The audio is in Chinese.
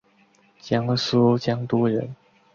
江苏江都人。